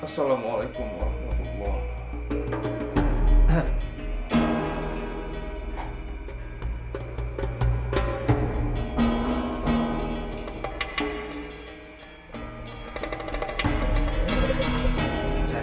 assalamualaikum warahmatullahi wabarakatuh